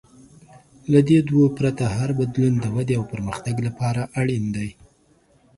له دې دوو پرته، هر بدلون د ودې او پرمختګ لپاره اړین دی.